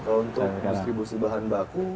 untuk distribusi bahan baku